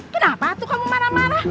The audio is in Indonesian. kenapa tuh kamu marah marah